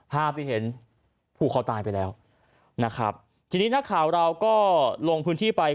ภาพที่เห็นผูกคอตายไปแล้วนะครับทีนี้นักข่าวเราก็ลงพื้นที่ไป